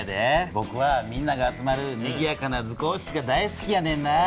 ぼくはみんなが集まるにぎやかな図工室が大好きやねんな。